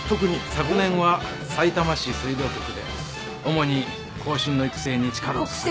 昨年はさいたま市水道局で主に後進の育成に力を注ぎました。